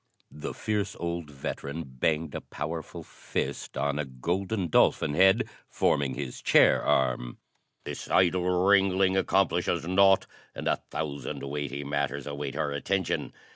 The fierce old veteran banged a powerful fist on a golden dolphin head forming his chair arm. "This idle wrangling accomplishes naught, and a thousand weighty matters await our attention.